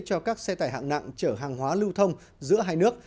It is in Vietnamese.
cho các xe tải hạng nặng chở hàng hóa lưu thông giữa hai nước